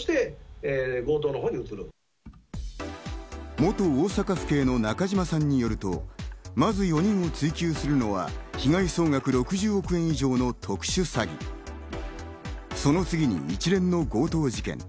元大阪府警の中島さんによると、まず４人を追及するのは被害総額６０億円以上の特殊詐欺、その次に一連の強盗事件。